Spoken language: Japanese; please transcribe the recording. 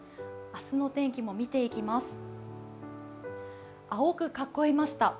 明日の天気も見ていきます。